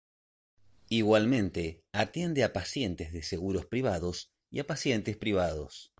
Igualmente atiende a pacientes de seguros privados y a pacientes privados.